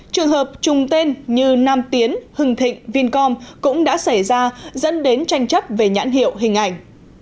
trường hợp chung tên như nam tiến hưng thịnh vincom cũng đã xảy ra dẫn đến tranh chấp về nhãn hiệu hình ảnh